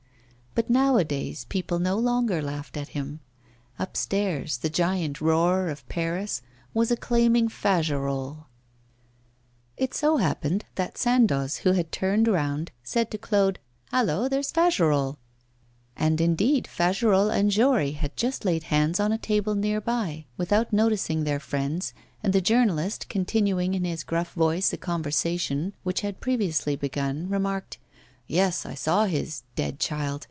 But nowadays people no longer laughed at him; upstairs the giant roar of Paris was acclaiming Fagerolles! It so happened that Sandoz, who had turned round, said to Claude: 'Hallo! there's Fagerolles!' And, indeed, Fagerolles and Jory had just laid hands on a table near by without noticing their friends, and the journalist, continuing in his gruff voice a conversation which had previously begun, remarked: 'Yes, I saw his "Dead Child"!